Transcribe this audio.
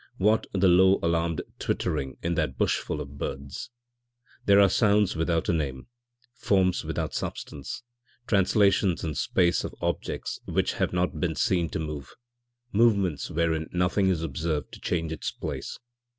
what the low, alarmed twittering in that bushful of birds? There are sounds without a name, forms without substance, translations in space of objects which have not been seen to move, movements wherein nothing is observed to change its place.